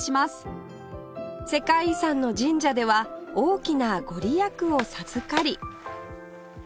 世界遺産の神社では大きな御利益を授かり